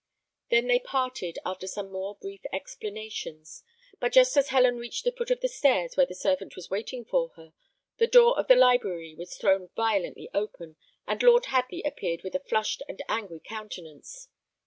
They then parted, after some more brief explanations; but just as Helen reached the foot of the stairs, where the servant was waiting for her, the door of the library was thrown violently open, and Lord Hadley appeared with a flushed and angry countenance.